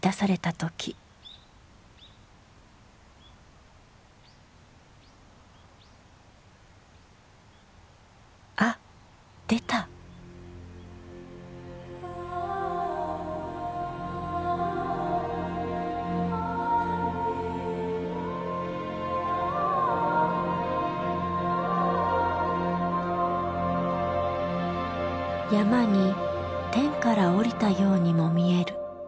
山に天からおりたようにも見える。